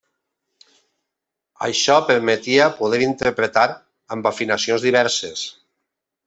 Això permetia poder interpretar amb afinacions diverses.